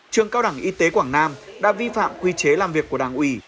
trường cao đẳng y tế quảng nam đã vi phạm quy chế làm việc của đảng ủy